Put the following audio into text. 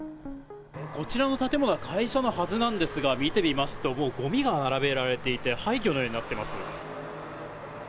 こちらの建物は会社のはずなんですが、見てみますと、もうごみが並べられていて、廃虚のようになっています。